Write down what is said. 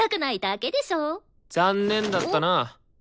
残念だったな。